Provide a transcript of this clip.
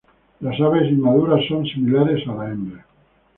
Las aves inmaduras son similares a la hembra.